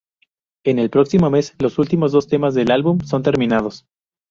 En el próximo mes, los últimos dos temas del álbum son terminados.